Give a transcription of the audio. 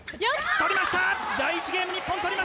取りました。